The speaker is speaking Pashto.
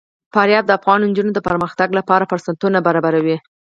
فاریاب د افغان نجونو د پرمختګ لپاره فرصتونه برابروي.